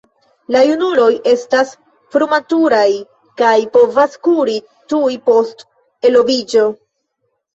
La junuloj estas frumaturaj kaj povas kuri tuj post eloviĝo.